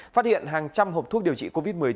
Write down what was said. phát hiện hàng trăm hộp thuốc điều trị covid một mươi chín